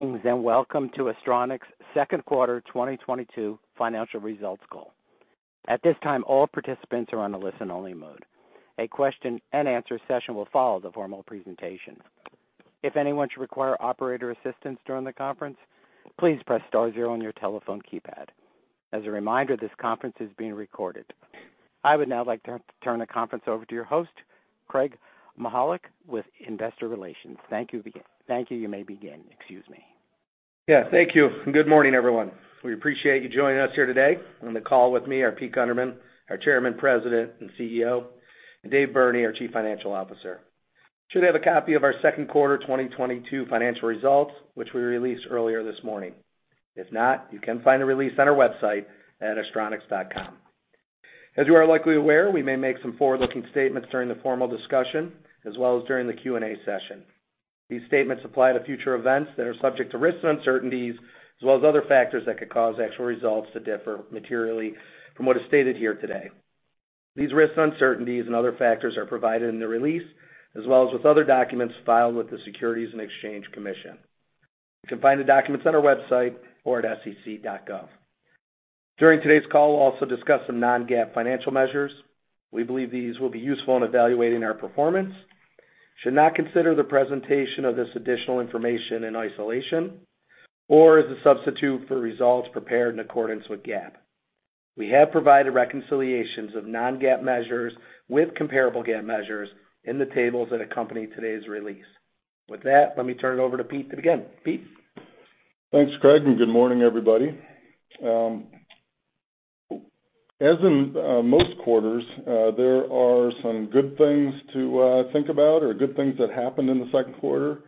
Welcome to Astronics' Q2 2022 financial results call. At this time, all participants are on a listen-only mode. A question and answer session will follow the formal presentation. If anyone should require operator assistance during the conference, please press star zero on your telephone keypad. As a reminder, this conference is being recorded. I would now like to turn the conference over to your host, Craig Mychajluk with Investor Relations. Thank you. You may begin. Excuse me. Yeah. Thank you, and good morning, everyone. We appreciate you joining us here today. On the call with me are Peter Gundermann, our Chairman, President, and CEO, and David Burney, our Chief Financial Officer. You should have a copy of our Q2 2022 financial results, which we released earlier this morning. If not, you can find the release on our website at astronics.com. As you are likely aware, we may make some forward-looking statements during the formal discussion as well as during the Q&A session. These statements apply to future events that are subject to risks and uncertainties as well as other factors that could cause actual results to differ materially from what is stated here today. These risks and uncertainties and other factors are provided in the release as well as with other documents filed with the Securities and Exchange Commission. You can find the documents on our website or at sec.gov. During today's call, we'll also discuss some non-GAAP financial measures. We believe these will be useful in evaluating our performance. You should not consider the presentation of this additional information in isolation or as a substitute for results prepared in accordance with GAAP. We have provided reconciliations of non-GAAP measures with comparable GAAP measures in the tables that accompany today's release. With that, let me turn it over to Pete to begin. Pete? Thanks, Craig, and good morning, everybody. As in most quarters, there are some good things to think about or good things that happened in the Q2,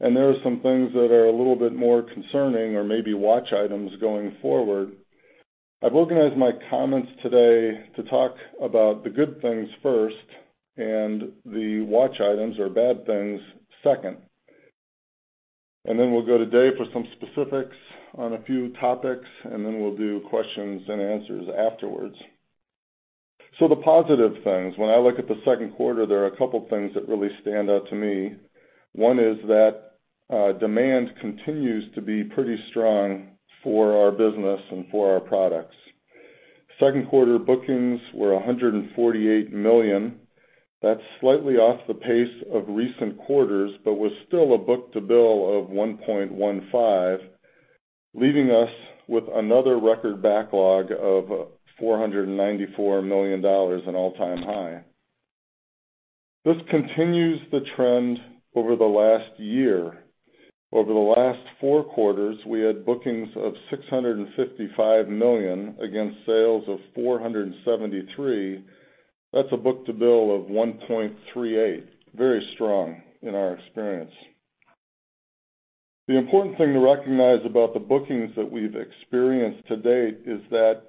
and there are some things that are a little bit more concerning or maybe watch items going forward. I've organized my comments today to talk about the good things first and the watch items or bad things second. Then we'll go to Dave for some specifics on a few topics, and then we'll do questions and answers afterwards. The positive things, when I look at the Q2, there are a couple things that really stand out to me. One is that demand continues to be pretty strong for our business and for our products. Q2 bookings were $148 million. That's slightly off the pace of recent quarters, but was still a book-to-bill of 1.15, leaving us with another record backlog of $494 million, an all-time high. This continues the trend over the last year. Over the last four quarters, we had bookings of $655 million against sales of $473 million. That's a book-to-bill of 1.38. Very strong in our experience. The important thing to recognize about the bookings that we've experienced to date is that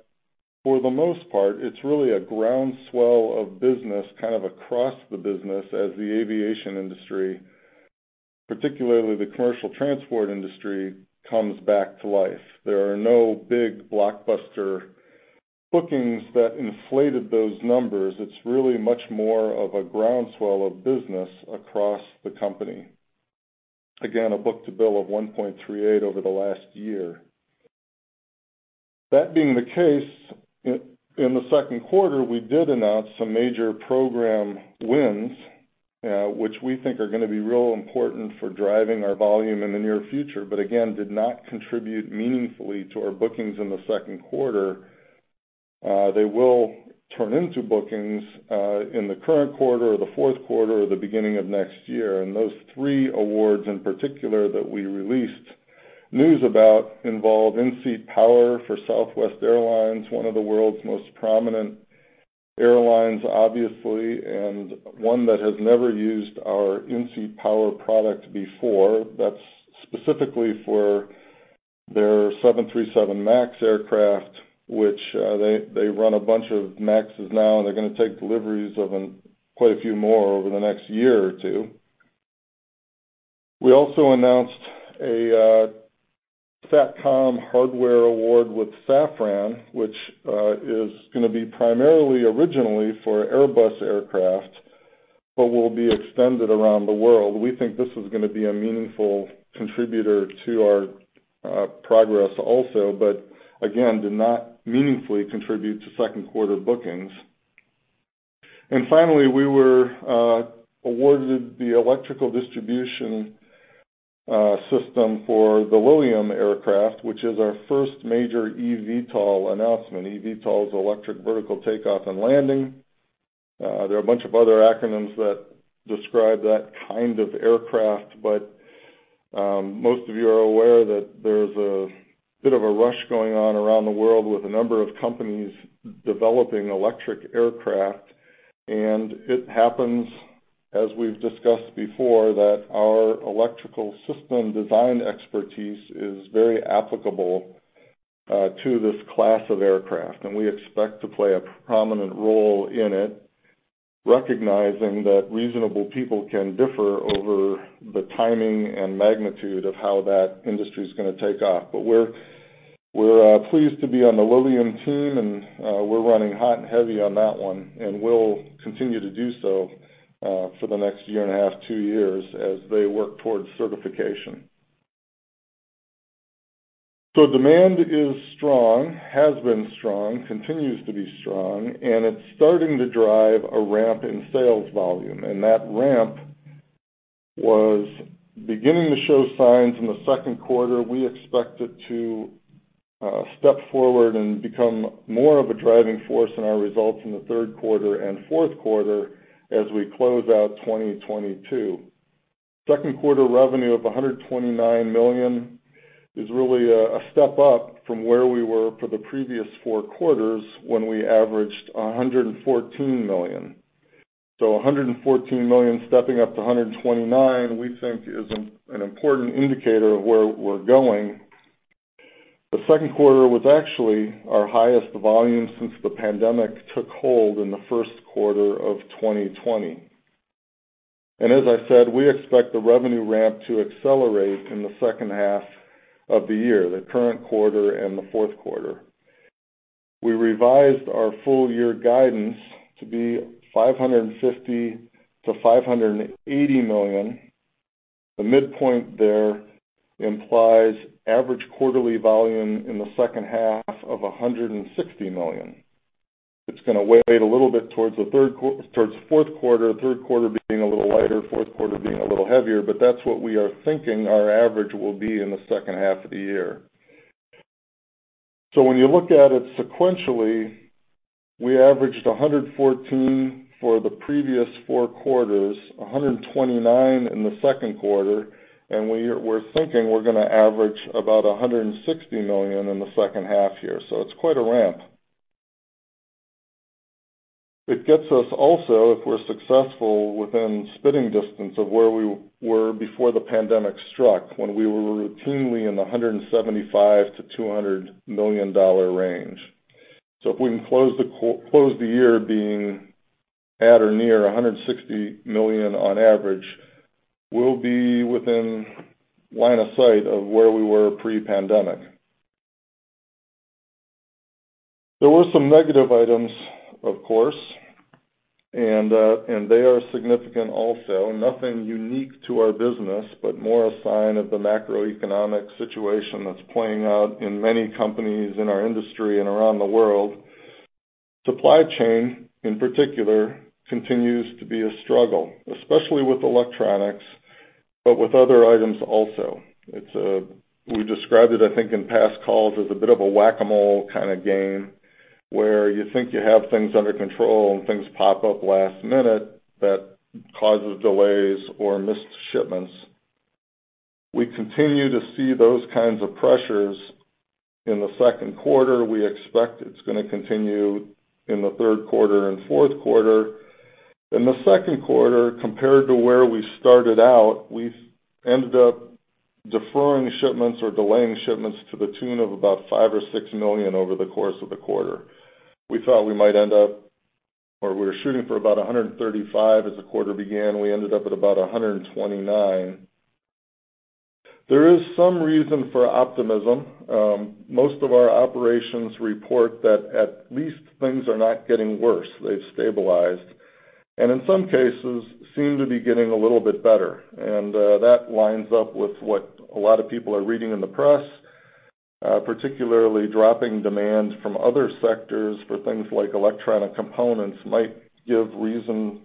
for the most part, it's really a groundswell of business kind of across the business as the aviation industry, particularly the commercial transport industry, comes back to life. There are no big blockbuster bookings that inflated those numbers. It's really much more of a groundswell of business across the company. Again, a book-to-bill of 1.38 over the last year. That being the case, in the Q2, we did announce some major program wins, which we think are gonna be real important for driving our volume in the near future, but again, did not contribute meaningfully to our bookings in the Q2. They will turn into bookings in the current quarter or the Q4 or the beginning of next year. Those three awards in particular that we released news about involve in-seat power for Southwest Airlines, one of the world's most prominent airlines, obviously, and one that has never used our in-seat power product before. That's specifically for their 737 MAX aircraft, which they run a bunch of MAXes now, and they're gonna take deliveries of quite a few more over the next year or two. We also announced a SATCOM hardware award with Safran, which is gonna be primarily originally for Airbus aircraft, but will be extended around the world. We think this is gonna be a meaningful contributor to our progress also, but again, did not meaningfully contribute to Q2 bookings. Finally, we were awarded the electrical distribution system for the Lilium aircraft, which is our first major EVTOL announcement. EVTOL is electric vertical takeoff and landing. There are a bunch of other acronyms that describe that kind of aircraft. Most of you are aware that there's a bit of a rush going on around the world with a number of companies developing electric aircraft. It happens, as we've discussed before, that our electrical system design expertise is very applicable to this class of aircraft, and we expect to play a prominent role in it, recognizing that reasonable people can differ over the timing and magnitude of how that industry is gonna take off. We're pleased to be on the Lilium team, and we're running hot and heavy on that one, and we'll continue to do so for the next year and a half, two years as they work towards certification. Demand is strong, has been strong, continues to be strong, and it's starting to drive a ramp in sales volume. That ramp was beginning to show signs in the Q2. We expect it to step forward and become more of a driving force in our results in the Q3 and Q4 as we close out 2022. Q2 revenue of $129 million is really a step up from where we were for the previous four quarters when we averaged $114 million. $114 million stepping up to $129 million, we think is an important indicator of where we're going. The Q2 was actually our highest volume since the pandemic took hold in the Q1 of 2020. As I said, we expect the revenue ramp to accelerate in the second half of the year, the current quarter and the Q4. We revised our full year guidance to be $550 million-$580 million. The midpoint there implies average quarterly volume in the second half of $160 million. It's gonna weigh a little bit towards the Q4, Q3 being a little lighter, Q4 being a little heavier, but that's what we are thinking our average will be in the second half of the year. When you look at it sequentially, we averaged $114 million for the previous four quarters, $129 million in the Q2, and we're thinking we're gonna average about $160 million in the second half here. It's quite a ramp. It gets us also, if we're successful, within spitting distance of where we were before the pandemic struck, when we were routinely in the $175 million-$200 million range. If we can close the year being at or near $160 million on average, we'll be within line of sight of where we were pre-pandemic. There were some negative items, of course, and they are significant also. Nothing unique to our business, but more a sign of the macroeconomic situation that's playing out in many companies in our industry and around the world. Supply chain, in particular, continues to be a struggle, especially with electronics, but with other items also. It's We described it, I think, in past calls as a bit of a whack-a-mole kinda game, where you think you have things under control, and things pop up last minute that causes delays or missed shipments. We continue to see those kinds of pressures in the Q2. We expect it's gonna continue in the Q3 and Q4. In the Q2, compared to where we started out, we ended up deferring shipments or delaying shipments to the tune of about $5 million or $6 million over the course of the quarter. We were shooting for about $135 as the quarter began. We ended up at about $129. There is some reason for optimism. Most of our operations report that at least things are not getting worse. They've stabilized and in some cases seem to be getting a little bit better, and that lines up with what a lot of people are reading in the press, particularly dropping demand from other sectors for things like electronic components might give reason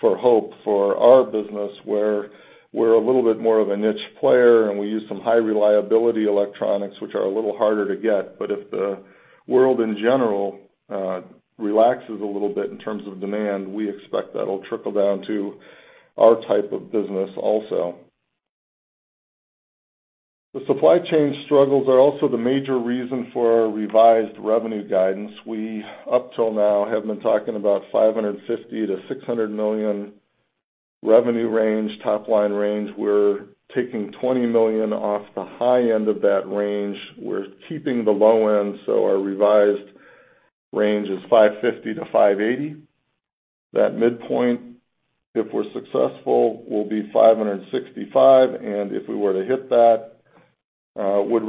for hope for our business, where we're a little bit more of a niche player, and we use some high reliability electronics, which are a little harder to get. If the world in general relaxes a little bit in terms of demand, we expect that'll trickle down to our type of business also. The supply chain struggles are also the major reason for our revised revenue guidance. We, up till now, have been talking about $550 million-$600 million revenue range, top-line range. We're taking $20 million off the high end of that range. We're keeping the low end, so our revised range is $550-$580. That midpoint, if we're successful, will be 565, and if we were to hit that would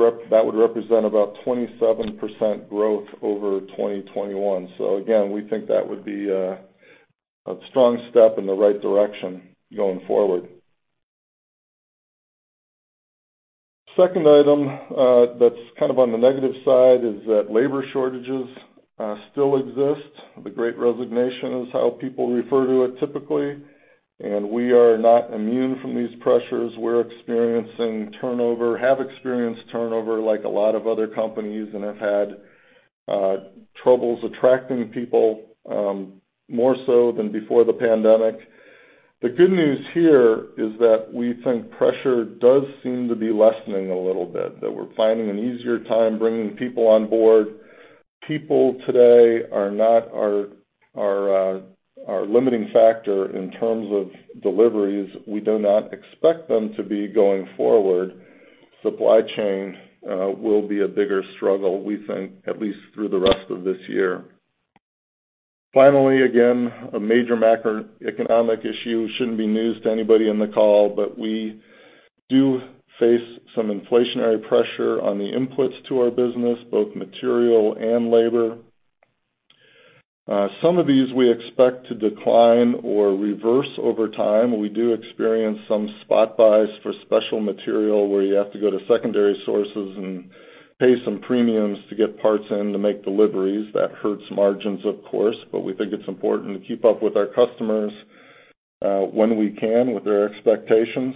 represent about 27% growth over 2021. We think that would be a strong step in the right direction going forward. Second item, that's kind of on the negative side is that labor shortages still exist. The Great Resignation is how people refer to it typically, and we are not immune from these pressures. We're experiencing turnover, have experienced turnover like a lot of other companies and have had troubles attracting people, more so than before the pandemic. The good news here is that we think pressure does seem to be lessening a little bit, that we're finding an easier time bringing people on board. People today are not our limiting factor in terms of deliveries. We do not expect them to be going forward. Supply chain will be a bigger struggle, we think, at least through the rest of this year. Finally, again, a major macroeconomic issue shouldn't be news to anybody in the call, but we do face some inflationary pressure on the inputs to our business, both material and labor. Some of these we expect to decline or reverse over time. We do experience some spot buys for special material where you have to go to secondary sources and pay some premiums to get parts in to make deliveries. That hurts margins, of course, but we think it's important to keep up with our customers, when we can with their expectations.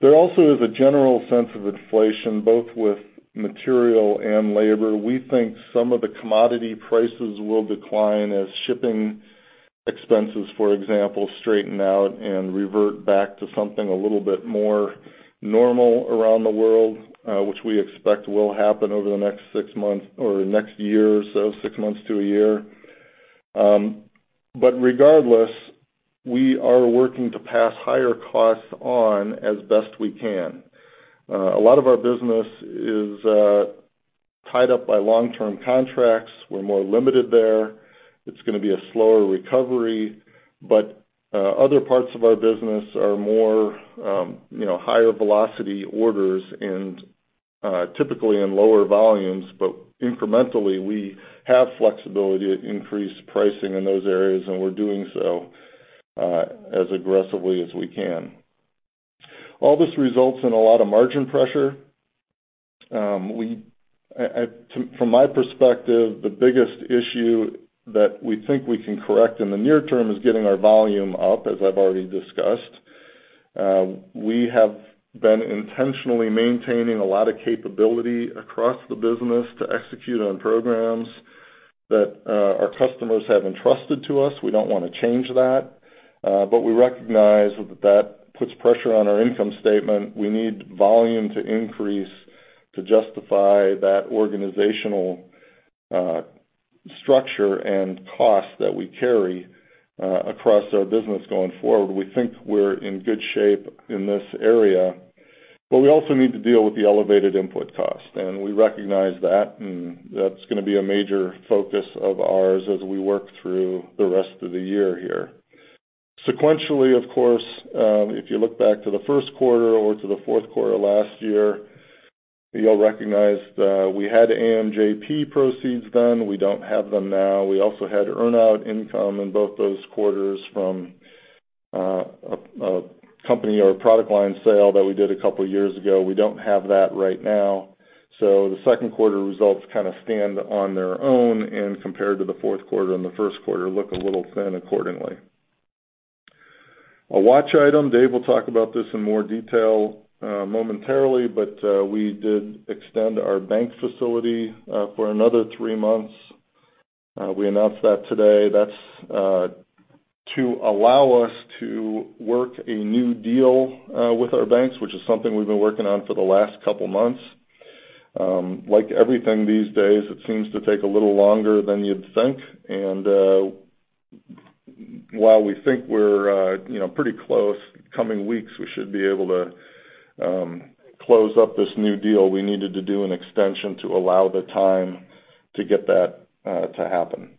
There also is a general sense of inflation both with material and labor. We think some of the commodity prices will decline as shipping expenses, for example, straighten out and revert back to something a little bit more normal around the world, which we expect will happen over the next six months or next year or so, six months to a year. Regardless, we are working to pass higher costs on as best we can. A lot of our business is tied up by long-term contracts. We're more limited there. It's gonna be a slower recovery, but other parts of our business are more, you know, higher velocity orders and typically in lower volumes. Incrementally, we have flexibility to increase pricing in those areas, and we're doing so as aggressively as we can. All this results in a lot of margin pressure. From my perspective, the biggest issue that we think we can correct in the near term is getting our volume up, as I've already discussed. We have been intentionally maintaining a lot of capability across the business to execute on programs that our customers have entrusted to us. We don't wanna change that, but we recognize that that puts pressure on our income statement. We need volume to increase to justify that organizational structure and cost that we carry across our business going forward. We think we're in good shape in this area, but we also need to deal with the elevated input cost, and we recognize that, and that's gonna be a major focus of ours as we work through the rest of the year here. Sequentially, of course, if you look back to the Q1 or to the Q4 last year, you'll recognize that we had AMJP proceeds then. We don't have them now. We also had earn-out income in both those quarters from a company or product line sale that we did a couple years ago. We don't have that right now. The Q2 results kind of stand on their own and compared to the Q4 and the Q1 look a little thin accordingly. A watch item, Dave will talk about this in more detail, momentarily, but we did extend our bank facility for another three months. We announced that today. That's to allow us to work a new deal with our banks, which is something we've been working on for the last couple months. Like everything these days, it seems to take a little longer than you'd think. While we think we're you know, pretty close, coming weeks, we should be able to close up this new deal. We needed to do an extension to allow the time to get that to happen.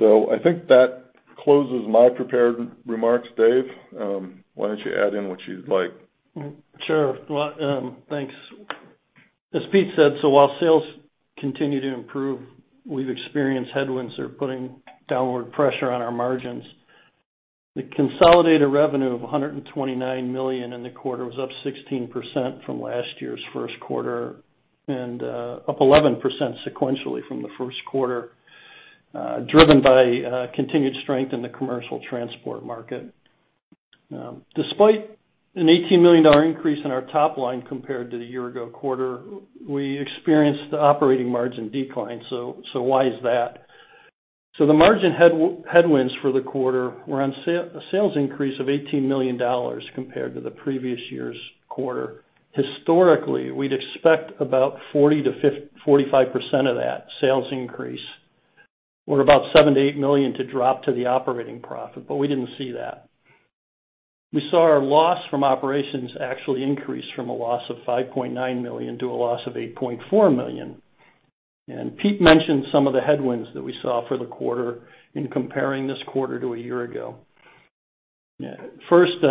I think that closes my prepared remarks. Dave, why don't you add in what you'd like? Sure. Well, thanks. As Pete said, while sales continue to improve, we've experienced headwinds that are putting downward pressure on our margins. The consolidated revenue of $129 million in the quarter was up 16% from last year's Q1 and up 11% sequentially from the Q1, driven by continued strength in the commercial transport market. Despite a $18 million increase in our top line compared to the year ago quarter, we experienced operating margin decline. Why is that? The margin headwinds for the quarter were on sales increase of $18 million compared to the previous year's quarter. Historically, we'd expect about 40%-45% of that sales increase or about $7 million-$8 million to drop to the operating profit, but we didn't see that. We saw our loss from operations actually increase from a loss of $5.9 million to a loss of $8.4 million. Pete mentioned some of the headwinds that we saw for the quarter in comparing this quarter to a year ago. First,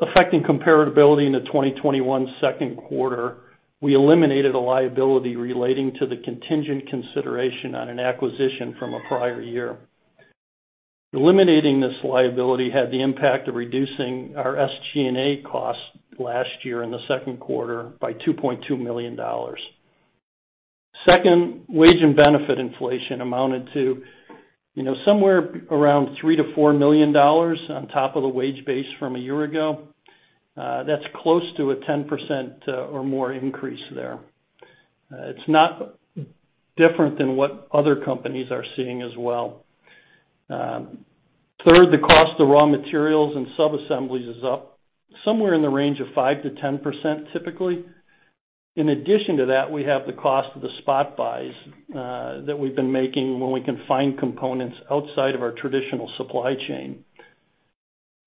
affecting comparability in the 2021 Q2, we eliminated a liability relating to the contingent consideration on an acquisition from a prior year. Eliminating this liability had the impact of reducing our SG&A costs last year in the Q2 by $2.2 million. Second, wage and benefit inflation amounted to, you know, somewhere around $3 million-$4 million on top of the wage base from a year ago. That's close to a 10% or more increase there. It's not different than what other companies are seeing as well. Third, the cost of raw materials and sub-assemblies is up somewhere in the range of 5%-10%, typically. In addition to that, we have the cost of the spot buys that we've been making when we can find components outside of our traditional supply chain.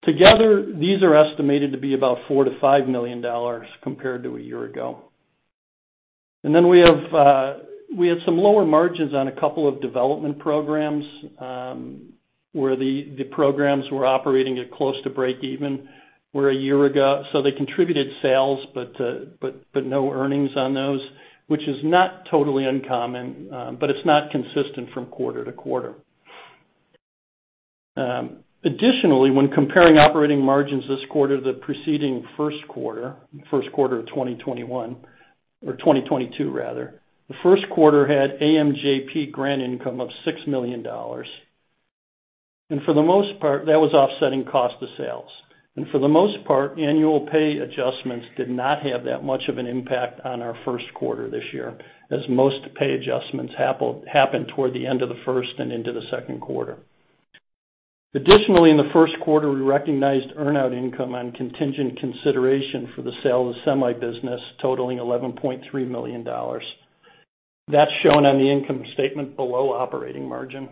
Together, these are estimated to be about $4 million-$5 million compared to a year ago. Then we have we had some lower margins on a couple of development programs, where the programs were operating at close to breakeven where a year ago. They contributed sales, but no earnings on those, which is not totally uncommon, but it's not consistent from quarter to quarter. Additionally, when comparing operating margins this quarter to the preceding Q1, Q1 of 2021 or 2022 rather, the Q1 had AMJP grant income of $6 million. For the most part, that was offsetting cost of sales. For the most part, annual pay adjustments did not have that much of an impact on our Q1 this year, as most pay adjustments happen toward the end of the first and into the Q2. Additionally, in the Q1, we recognized earn-out income on contingent consideration for the sale of the semiconductor business totaling $11.3 million. That's shown on the income statement below operating margin.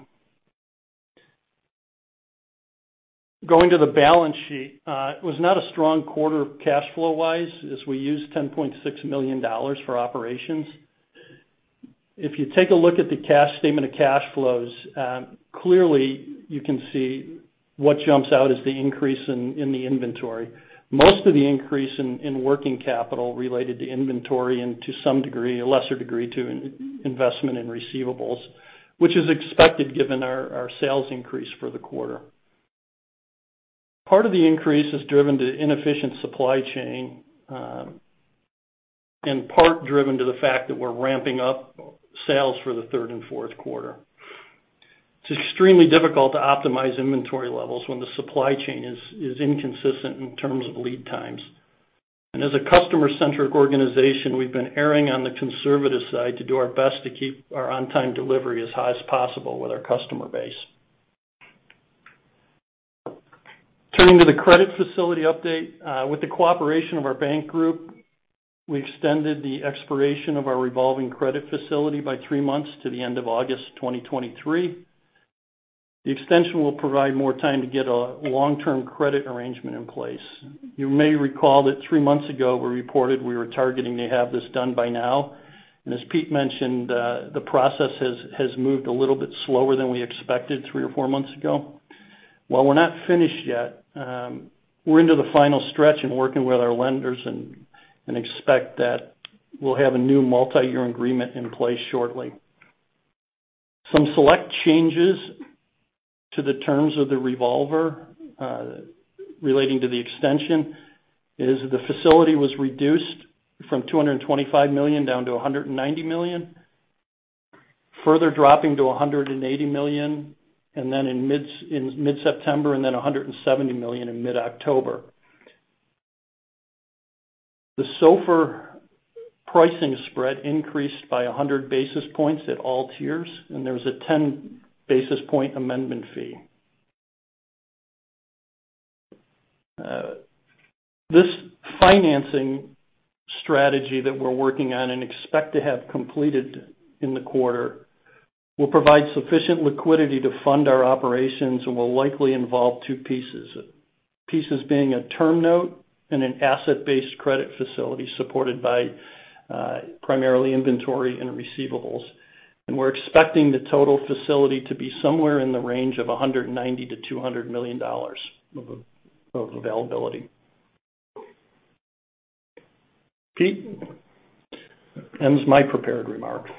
Going to the balance sheet, it was not a strong quarter cash flow-wise as we used $10.6 million for operations. If you take a look at the statement of cash flows, clearly you can see what jumps out is the increase in the inventory. Most of the increase in working capital related to inventory and to some degree, a lesser degree to investment and receivables, which is expected given our sales increase for the quarter. Part of the increase is driven to inefficient supply chain, and part driven to the fact that we're ramping up sales for the third and Q4. It's extremely difficult to optimize inventory levels when the supply chain is inconsistent in terms of lead times. As a customer-centric organization, we've been erring on the conservative side to do our best to keep our on-time delivery as high as possible with our customer base. Turning to the credit facility update. With the cooperation of our bank group, we extended the expiration of our revolving credit facility by three months to the end of August 2023. The extension will provide more time to get a long-term credit arrangement in place. You may recall that three months ago, we reported we were targeting to have this done by now. As Pete mentioned, the process has moved a little bit slower than we expected three or four months ago. While we're not finished yet, we're into the final stretch in working with our lenders and expect that we'll have a new multi-year agreement in place shortly. Some select changes to the terms of the revolver relating to the extension is the facility was reduced from $225 million down to $190 million, further dropping to $180 million, and then in mid-September, and then $170 million in mid-October. The SOFR pricing spread increased by 100 basis points at all tiers, and there was a 10 basis point amendment fee. This financing strategy that we're working on and expect to have completed in the quarter will provide sufficient liquidity to fund our operations and will likely involve two pieces. Pieces being a term note and an asset-based credit facility supported by primarily inventory and receivables. We're expecting the total facility to be somewhere in the range of $190 million-$200 million of availability. Peter, ends my prepared remarks.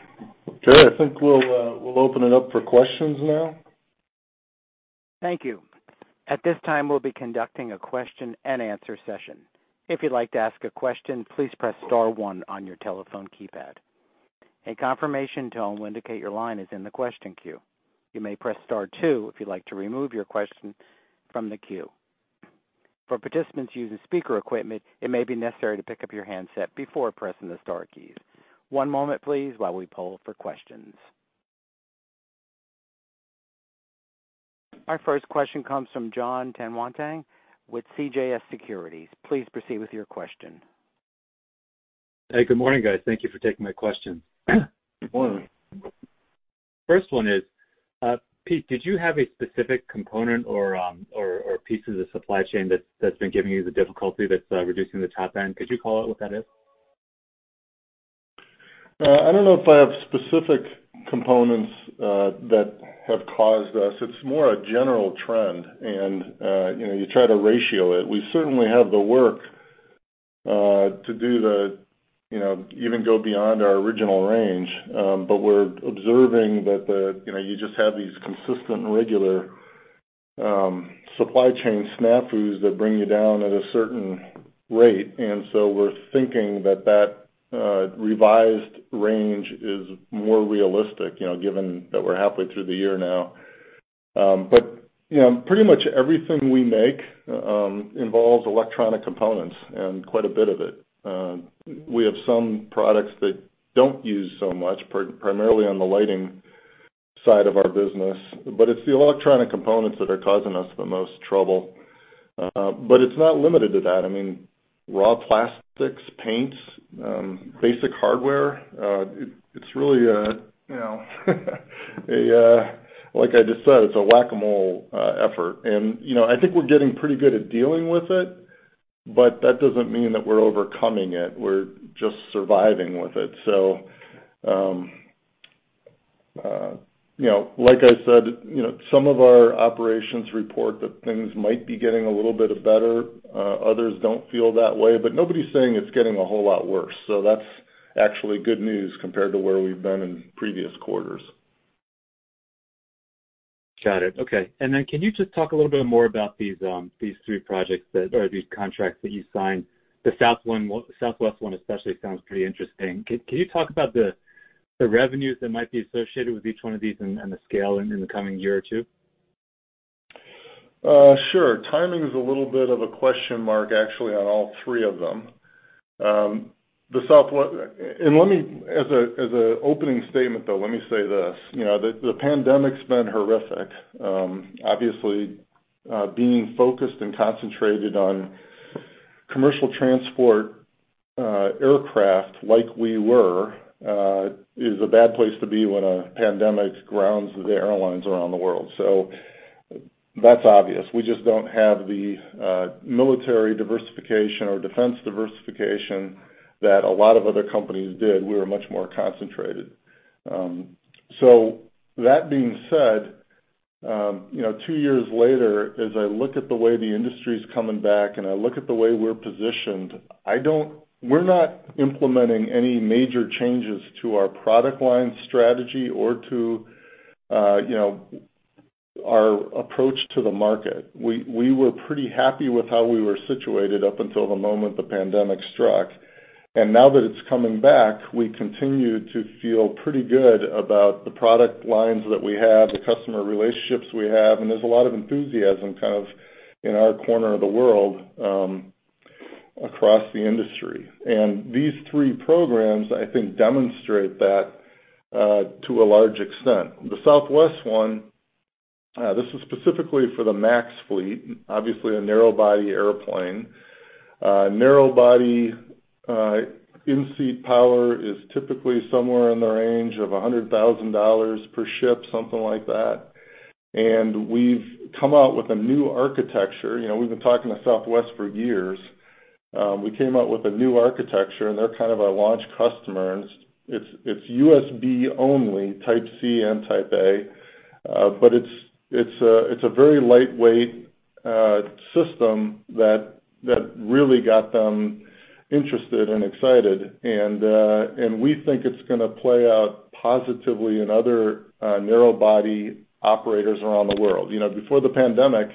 Okay. I think we'll open it up for questions now. Thank you. At this time, we'll be conducting a question and answer session. If you'd like to ask a question, please press star one on your telephone keypad. A confirmation tone will indicate your line is in the question queue. You may press star two if you'd like to remove your question from the queue. For participants using speaker equipment, it may be necessary to pick up your handset before pressing the star keys. One moment, please, while we poll for questions. Our first question comes from Jon Tanwanteng with CJS Securities. Please proceed with your question. Hey, good morning, guys. Thank you for taking my question. Good morning. First one is, Pete, did you have a specific component or piece of the supply chain that's been giving you the difficulty that's reducing the top end? Could you call out what that is? I don't know if I have specific components that have caused us. It's more a general trend and, you know, you try to ration it. We certainly have the work to do the, you know, even go beyond our original range. We're observing that the, you know, you just have these consistent regular supply chain snafus that bring you down at a certain rate. We're thinking that that revised range is more realistic, you know, given that we're halfway through the year now. You know, pretty much everything we make involves electronic components and quite a bit of it. We have some products that don't use so much primarily on the lighting side of our business, but it's the electronic components that are causing us the most trouble. It's not limited to that. I mean raw plastics, paints, basic hardware. It's really, you know, like I just said, a whack-a-mole effort. You know, I think we're getting pretty good at dealing with it, but that doesn't mean that we're overcoming it. We're just surviving with it. You know, like I said, you know, some of our operations report that things might be getting a little bit better, others don't feel that way, but nobody's saying it's getting a whole lot worse. That's actually good news compared to where we've been in previous quarters. Got it. Okay. Then can you just talk a little bit more about these three projects or these contracts that you signed? The Southwest one, especially, sounds pretty interesting. Can you talk about the revenues that might be associated with each one of these and the scale in the coming year or two? Sure. Timing is a little bit of a question mark, actually, on all three of them. As an opening statement, though, let me say this: you know, the pandemic's been horrific. Obviously, being focused and concentrated on commercial transport aircraft like we were is a bad place to be when a pandemic grounds the airlines around the world. That's obvious. We just don't have the military diversification or defense diversification that a lot of other companies did. We were much more concentrated. That being said, you know, two years later, as I look at the way the industry's coming back and I look at the way we're positioned, we're not implementing any major changes to our product line strategy or to, you know, our approach to the market. We were pretty happy with how we were situated up until the moment the pandemic struck. Now that it's coming back, we continue to feel pretty good about the product lines that we have, the customer relationships we have, and there's a lot of enthusiasm kind of in our corner of the world, across the industry. These three programs, I think, demonstrate that, to a large extent. The Southwest one, this is specifically for the MAX fleet, obviously a narrow body airplane. Narrow body in-seat power is typically somewhere in the range of $100,000 per ship, something like that. We've come out with a new architecture. You know, we've been talking to Southwest for years. We came out with a new architecture, and they're kind of our launch customer, and it's USB only, Type-C and Type-A. It's a very lightweight system that really got them interested and excited, and we think it's gonna play out positively in other narrow-body operators around the world. You know, before the pandemic,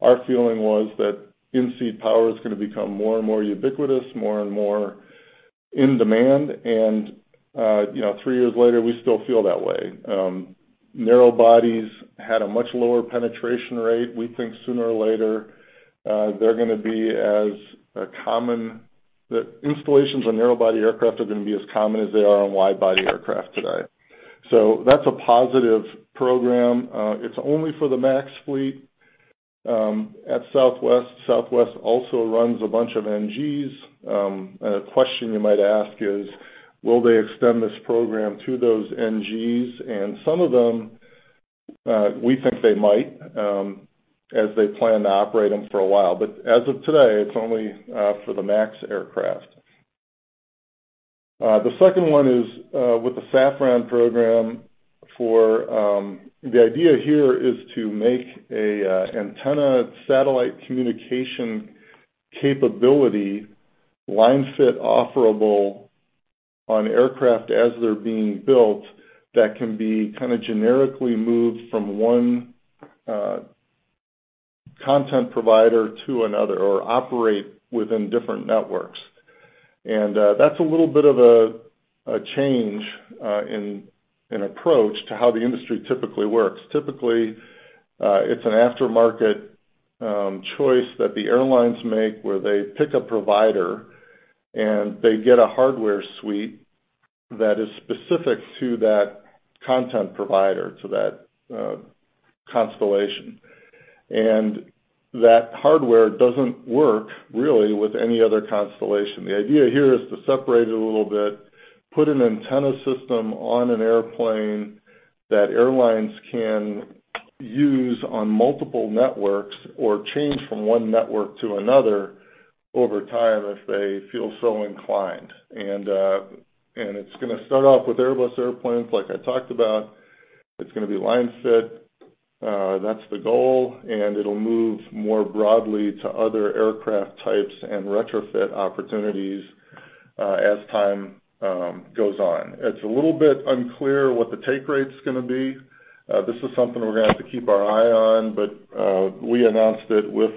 our feeling was that in-seat power is gonna become more and more ubiquitous, more and more in demand. You know, three years later, we still feel that way. Narrow bodies had a much lower penetration rate. We think sooner or later, installations on narrow-body aircraft are gonna be as common as they are on wide-body aircraft today. That's a positive program. It's only for the MAX fleet at Southwest. Southwest also runs a bunch of NGs. A question you might ask is, will they extend this program to those NGs? Some of them, we think they might, as they plan to operate them for a while. But as of today, it's only for the MAX aircraft. The second one is with the Safran program for. The idea here is to make a antenna satellite communication capability line fit offerable on aircraft as they're being built that can be kinda generically moved from one content provider to another or operate within different networks. That's a little bit of a change in approach to how the industry typically works. Typically, it's an aftermarket, choice that the airlines make, where they pick a provider, and they get a hardware suite that is specific to that content provider, to that, constellation. That hardware doesn't work, really, with any other constellation. The idea here is to separate it a little bit, put an antenna system on an airplane that airlines can use on multiple networks or change from one network to another over time if they feel so inclined. It's gonna start off with Airbus airplanes, like I talked about. It's gonna be line fit. That's the goal, and it'll move more broadly to other aircraft types and retrofit opportunities, as time goes on. It's a little bit unclear what the take rate's gonna be. This is something we're gonna have to keep our eye on, but we announced it with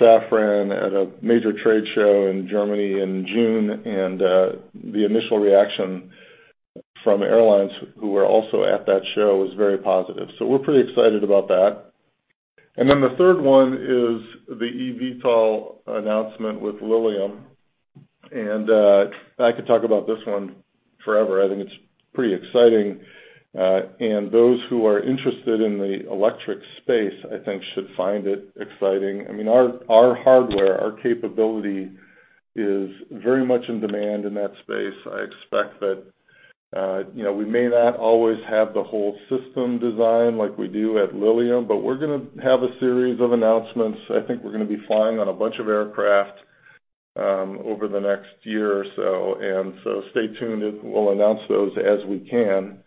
Safran at a major trade show in Germany in June, and the initial reaction from airlines who were also at that show was very positive. We're pretty excited about that. Then the third one is the EVTOL announcement with Lilium. I could talk about this one forever. I think it's pretty exciting. Those who are interested in the electric space, I think should find it exciting. I mean, our hardware, our capability is very much in demand in that space. I expect that, you know, we may not always have the whole system design like we do at Lilium, but we're gonna have a series of announcements. I think we're gonna be flying on a bunch of aircraft over the next year or so. Stay tuned. We'll announce those as we can.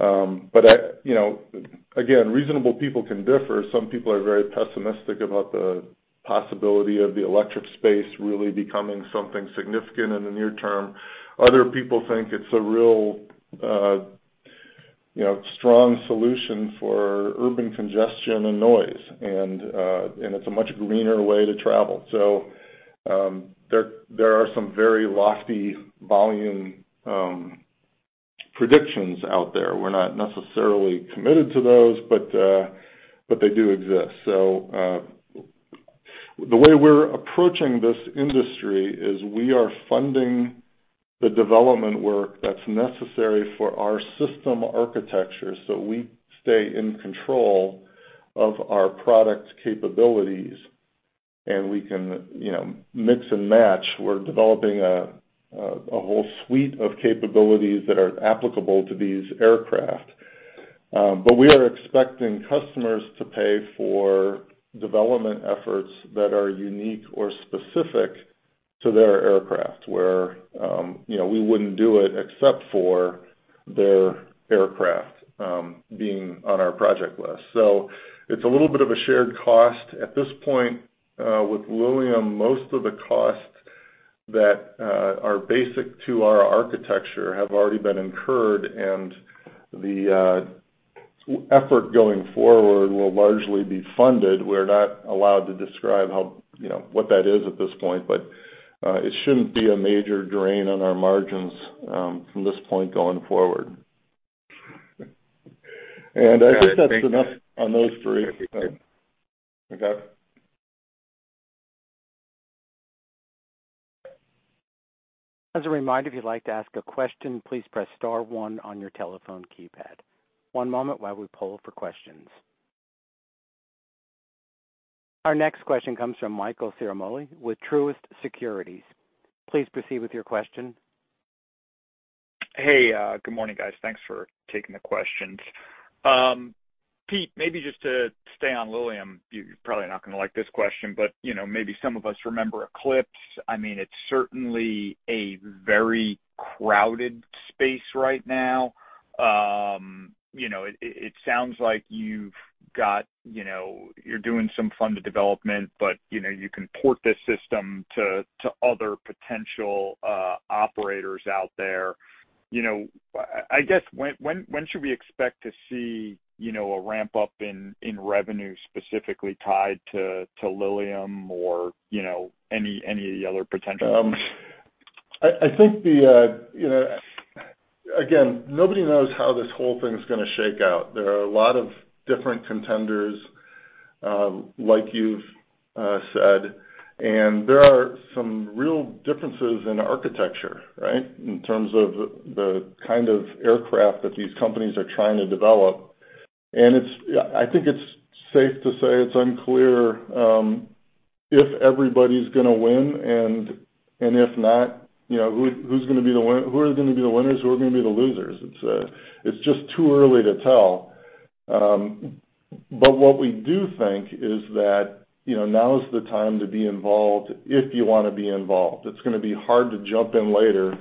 You know, again, reasonable people can differ. Some people are very pessimistic about the possibility of the electric space really becoming something significant in the near term. Other people think it's a real, you know, strong solution for urban congestion and noise, and it's a much greener way to travel. There are some very lofty volume predictions out there. We're not necessarily committed to those, but they do exist. The way we're approaching this industry is we are funding the development work that's necessary for our system architecture, so we stay in control of our product capabilities, and we can, you know, mix and match. We're developing a whole suite of capabilities that are applicable to these aircraft. But we are expecting customers to pay for development efforts that are unique or specific to their aircraft, where, you know, we wouldn't do it except for their aircraft, being on our project list. So it's a little bit of a shared cost. At this point, with Lilium, most of the costs that are basic to our architecture have already been incurred, and the effort going forward will largely be funded. We're not allowed to describe how, you know, what that is at this point, but it shouldn't be a major drain on our margins, from this point going forward. I think that's enough on those three. Okay. As a reminder, if you'd like to ask a question, please press star one on your telephone keypad. One moment while we poll for questions. Our next question comes from Michael Ciaramoli with Truist Securities. Please proceed with your question. Hey, good morning, guys. Thanks for taking the questions. Pete, maybe just to stay on Lilium, you're probably not gonna like this question, but, you know, maybe some of us remember Eclipse. I mean, it's certainly a very crowded space right now. You know, it sounds like you've got, you know, you're doing some funded development, but, you know, you can port this system to other potential operators out there. You know, I guess, when should we expect to see, you know, a ramp-up in revenue specifically tied to Lilium or, you know, any other potential? I think, you know, again, nobody knows how this whole thing's gonna shake out. There are a lot of different contenders, like you've said, and there are some real differences in architecture, right? In terms of the kind of aircraft that these companies are trying to develop. I think it's safe to say it's unclear if everybody's gonna win and if not, you know, who are gonna be the winners, who are gonna be the losers. It's just too early to tell. But what we do think is that, you know, now is the time to be involved if you wanna be involved. It's gonna be hard to jump in later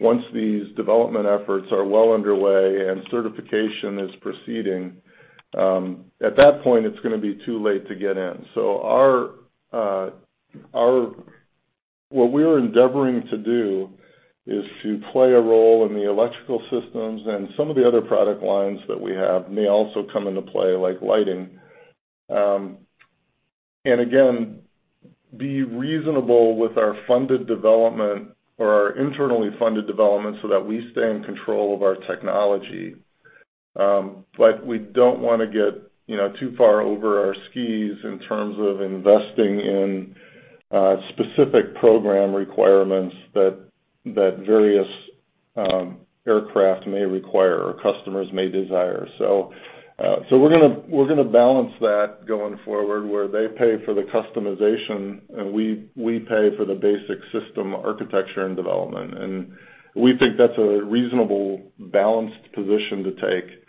once these development efforts are well underway and certification is proceeding. At that point, it's gonna be too late to get in. What we're endeavoring to do is to play a role in the electrical systems and some of the other product lines that we have may also come into play, like lighting. Again, be reasonable with our funded development or our internally funded development so that we stay in control of our technology. We don't wanna get, you know, too far over our skis in terms of investing in specific program requirements that various aircraft may require or customers may desire. We're gonna balance that going forward, where they pay for the customization and we pay for the basic system architecture and development. We think that's a reasonable, balanced position to take,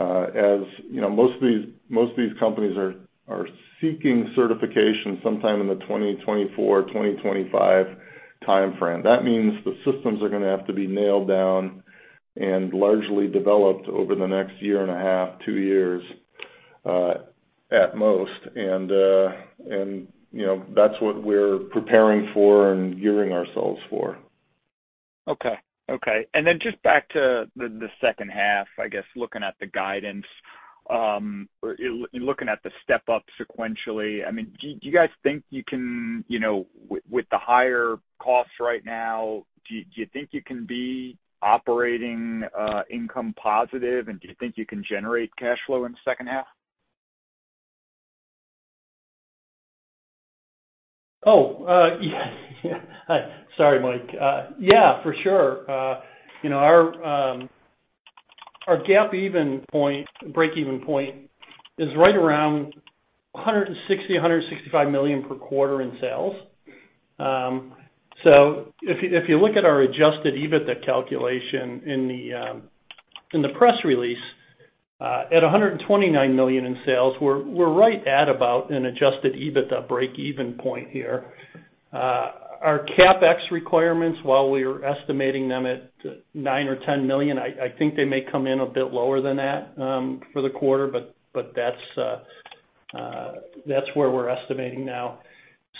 as you know, most of these companies are seeking certification sometime in the 2024, 2025 timeframe. That means the systems are gonna have to be nailed down and largely developed over the next year and a half, two years, at most. You know, that's what we're preparing for and gearing ourselves for. Okay. Then just back to the second half, I guess, looking at the guidance, or looking at the step-up sequentially, I mean, do you guys think you can, you know, with the higher costs right now, do you think you can be operating income positive? Do you think you can generate cash flow in the second half? Yeah. Sorry, Mike. Yeah, for sure. You know, our break-even point is right around $160 million,$165 million per quarter in sales. If you look at our adjusted EBITDA calculation in the press release, at $129 million in sales, we're right at about an adjusted EBITDA break-even point here. Our CapEx requirements, while we were estimating them at $9-$10 million, I think they may come in a bit lower than that, for the quarter. That's where we're estimating now.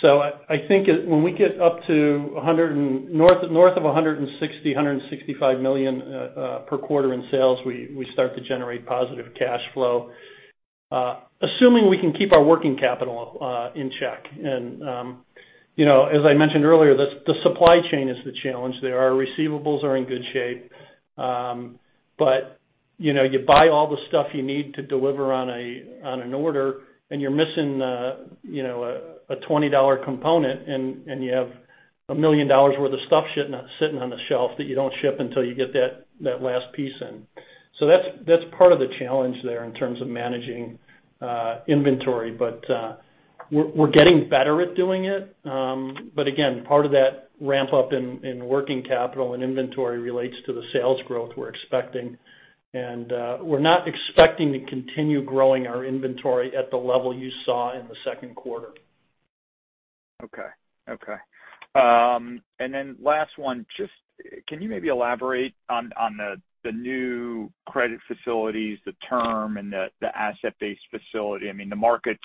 I think it, when we get up to $100 million and north of $160million, $165 million per quarter in sales, we start to generate positive cash flow, assuming we can keep our working capital in check. You know, as I mentioned earlier, the supply chain is the challenge there. Our receivables are in good shape. You know, you buy all the stuff you need to deliver on an order, and you're missing you know, a $20 component and you have $1 million worth of stuff sitting on the shelf that you don't ship until you get that last piece in. That's part of the challenge there in terms of managing inventory. We're getting better at doing it. Again, part of that ramp up in working capital and inventory relates to the sales growth we're expecting. We're not expecting to continue growing our inventory at the level you saw in the Q2. Okay. Last one. Just, can you maybe elaborate on the new credit facilities, the term, and the asset-based facility? I mean, the market's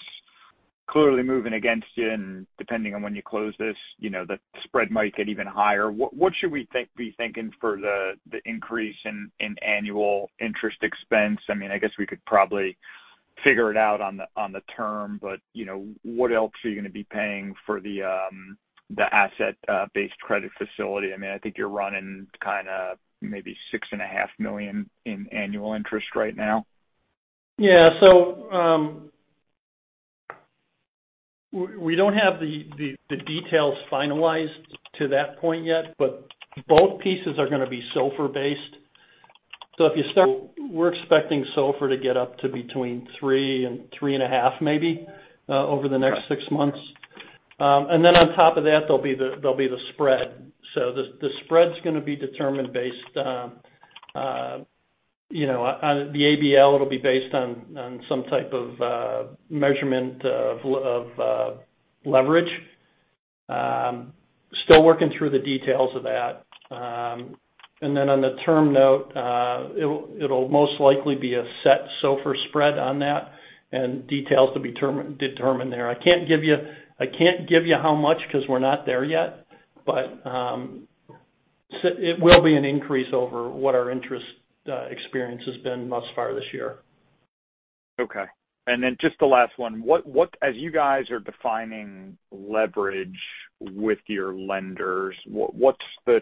clearly moving against you, and depending on when you close this, you know, the spread might get even higher. What should we be thinking for the increase in annual interest expense? I mean, I guess we could probably figure it out on the term, but, you know, what else are you gonna be paying for the asset-based credit facility? I mean, I think you're running kinda maybe $6.5 million in annual interest right now. Yeah. We don't have the details finalized to that point yet, but both pieces are gonna be SOFR-based. If you start, we're expecting SOFR to get up to between 3% and 3.5% maybe over the next six months. And then on top of that, there'll be the spread. The spread's gonna be determined based on, you know, on the ABL, it'll be based on some type of measurement of leverage. Still working through the details of that. And then on the term note, it'll most likely be a set SOFR spread on that and details to be determined there. I can't give you how much, because we're not there yet. It will be an increase over what our interest expense has been thus far this year. Okay. Just the last one. What as you guys are defining leverage with your lenders, what’s the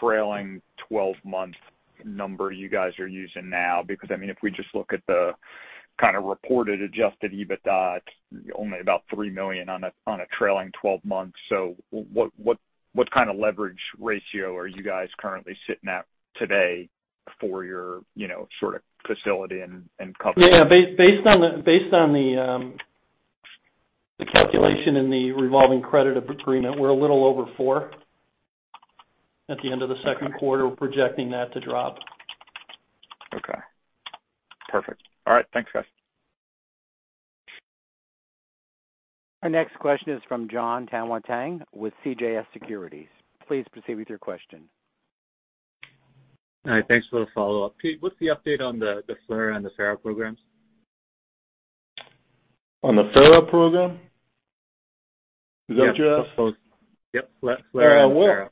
trailing twelve-month number you guys are using now? Because, I mean, if we just look at the kind of reported adjusted EBITDA, it's only about $3 million on a trailing twelve months. What kind of leverage ratio are you guys currently sitting at today for your, you know, sort of facility and coverage? Yeah. Based on the calculation in the revolving credit agreement, we're a little over four at the end of the Q2. We're projecting that to drop. Okay. Perfect. All right. Thanks, guys. Our next question is from Jon Tanwanteng with CJS Securities. Please proceed with your question. All right. Thanks for the follow-up. Pete, what's the update on the FLRAA and the FARA programs? On the FARA program? Is that JS? Yep. Both. Yep, FLRAA and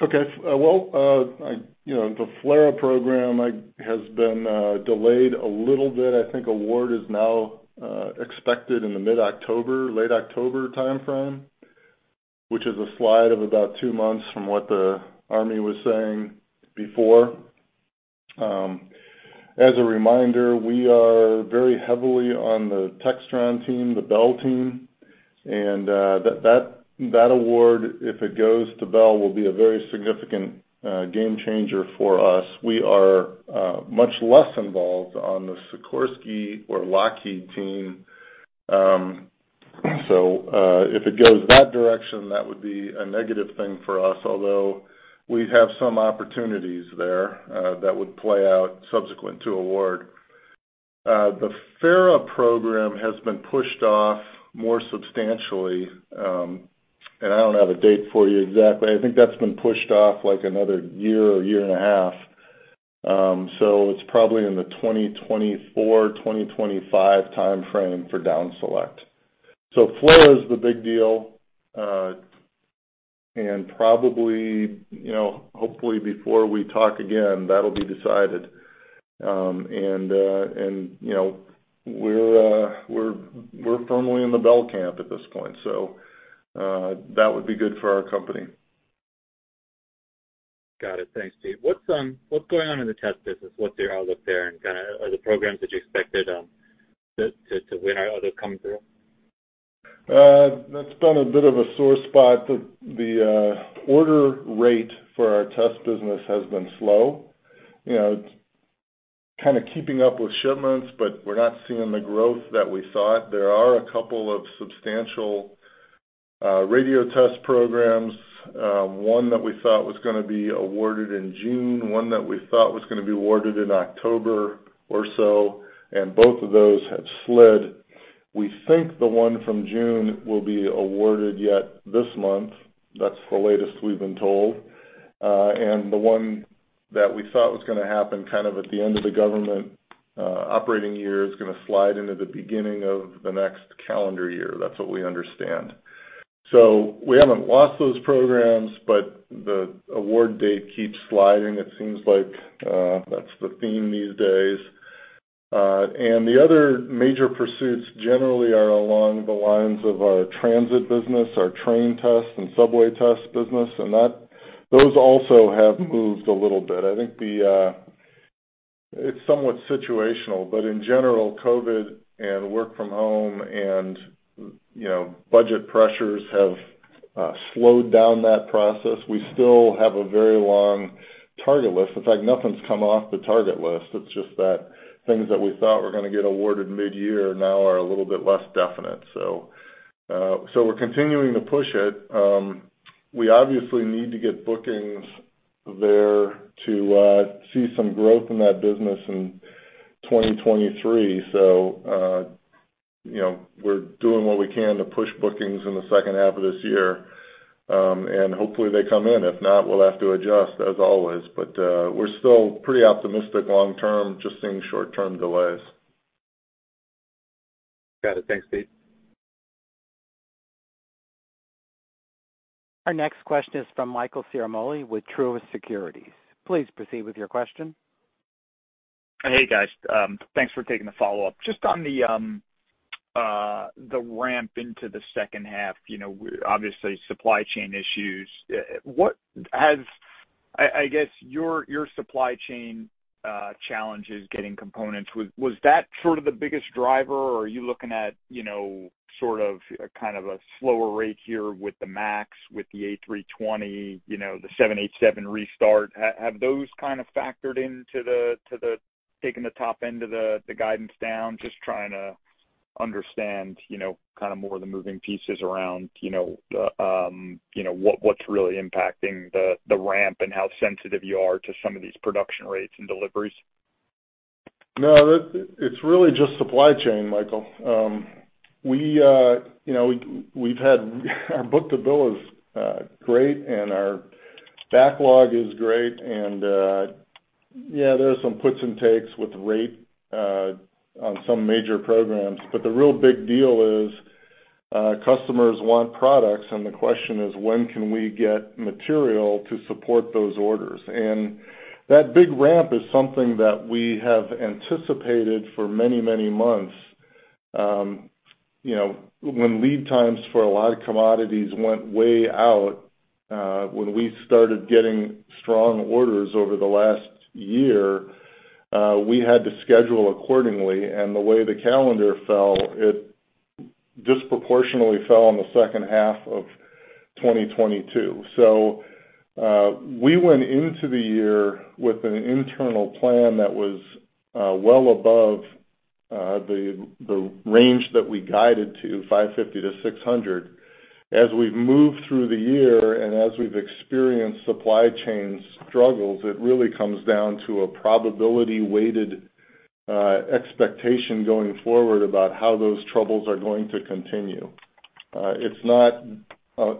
FARA. You know, the FLRAA program, like, has been delayed a little bit. I think award is now expected in the mid-October, late October timeframe, which is a slide of about two months from what the Army was saying before. As a reminder, we are very heavily on the Textron team, the Bell team, and that award, if it goes to Bell, will be a very significant game changer for us. We are much less involved on the Sikorsky or Lockheed team. If it goes that direction, that would be a negative thing for us, although we have some opportunities there that would play out subsequent to award. The FARA program has been pushed off more substantially. I don't have a date for you exactly. I think that's been pushed off like another year or year and a half. It's probably in the 2024, 2025 timeframe for down select. FLRAA is the big deal. Probably, you know, hopefully before we talk again, that'll be decided. And, you know, we're firmly in the Bell camp at this point, so that would be good for our company. Got it. Thanks, Pete. What's going on in the test business? What's the outlook there and kinda are the programs that you expected to win, are those coming through? That's been a bit of a sore spot. The order rate for our test business has been slow. You know, kind of keeping up with shipments, but we're not seeing the growth that we thought. There are a couple of substantial radio test programs, one that we thought was gonna be awarded in June, one that we thought was gonna be awarded in October or so, and both of those have slid. We think the one from June will be awarded yet this month. That's the latest we've been told. The one that we thought was gonna happen kind of at the end of the government operating year is gonna slide into the beginning of the next calendar year. That's what we understand. We haven't lost those programs, but the award date keeps sliding. It seems like, that's the theme these days. The other major pursuits generally are along the lines of our transit business, our train test and subway test business, and those also have moved a little bit. I think it's somewhat situational, but in general, COVID and work from home and, you know, budget pressures have slowed down that process. We still have a very long target list. In fact, nothing's come off the target list. It's just that things that we thought were gonna get awarded mid-year now are a little bit less definite. We're continuing to push it. We obviously need to get bookings there to see some growth in that business in 2023. you know, we're doing what we can to push bookings in the second half of this year, and hopefully they come in. If not, we'll have to adjust as always. We're still pretty optimistic long term, just seeing short-term delays. Got it. Thanks, Peter. Our next question is from Michael Ciaramoli with Truist Securities. Please proceed with your question. Hey, guys. Thanks for taking the follow-up. Just on the ramp into the second half, you know, we're obviously supply chain issues. I guess your supply chain challenges getting components, was that sort of the biggest driver, or are you looking at, you know, sort of, kind of a slower rate here with the Max, with the A320, you know, the 787 restart? Have those kind of factored into the taking the top end of the guidance down? Just trying to understand, you know, kind of more of the moving pieces around, you know, what's really impacting the ramp and how sensitive you are to some of these production rates and deliveries. No. It's really just supply chain, Michael. We've had our book-to-bill is great, and our backlog is great. Yeah, there are some puts and takes with rate on some major programs. The real big deal is, customers want products, and the question is when can we get material to support those orders? That big ramp is something that we have anticipated for many, many months. You know, when lead times for a lot of commodities went way out, when we started getting strong orders over the last year, we had to schedule accordingly. The way the calendar fell, it disproportionately fell on the second half of 2022. We went into the year with an internal plan that was well above the range that we guided to, $550 million-$600 million. As we've moved through the year and as we've experienced supply chain struggles, it really comes down to a probability-weighted expectation going forward about how those troubles are going to continue. It's not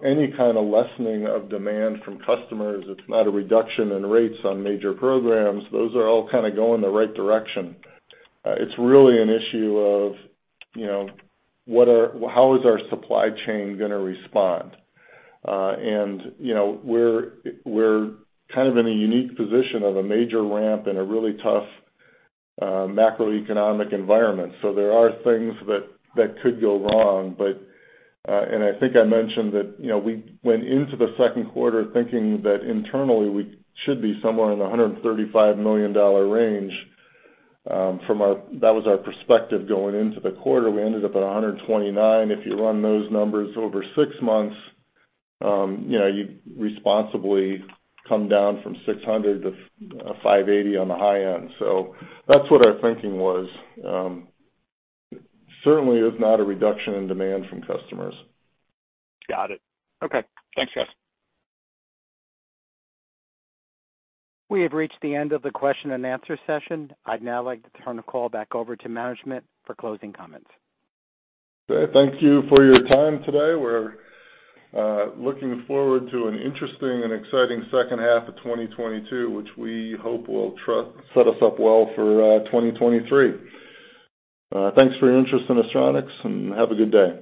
any kind of lessening of demand from customers. It's not a reduction in rates on major programs. Those are all kind of going the right direction. It's really an issue of, you know, how is our supply chain gonna respond? You know, we're kind of in a unique position of a major ramp in a really tough macroeconomic environment. There are things that could go wrong. I think I mentioned that, you know, we went into the Q2 thinking that internally, we should be somewhere in the $135 million range. That was our perspective going into the quarter. We ended up at $129 million. If you run those numbers over six months, you know, you rationally come down from $600 million to $580 million on the high end. So that's what our thinking was. Certainly is not a reduction in demand from customers. Got it. Okay. Thanks, guys. We have reached the end of the question and answer session. I'd now like to turn the call back over to management for closing comments. Okay. Thank you for your time today. We're looking forward to an interesting and exciting second half of 2022, which we hope will set us up well for 2023. Thanks for your interest in Astronics, and have a good day.